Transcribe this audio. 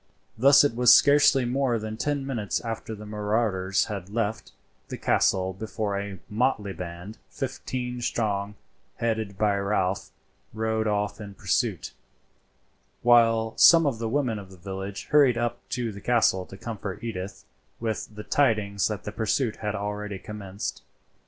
Thus it was scarcely more than ten minutes after the marauders had left the castle before a motley band, fifteen strong, headed by Ralph, rode off in pursuit, while some of the women of the village hurried up to the castle to comfort Edith with the tidings that the pursuit had already commenced.